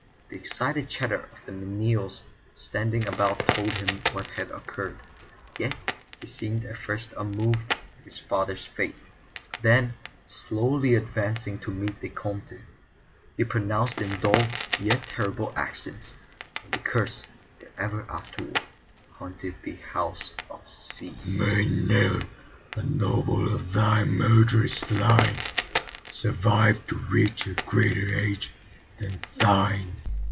The excited chatter of the menials standing about told him what had occurred, yet he seemed at first unmoved at his father's fate. Then, slowly advancing to meet the Comte, he pronounced in dull yet terrible accents the curse that ever afterward haunted the house of C——. "May ne'er a noble of thy murd'rous line Survive to reach a greater age than thine!"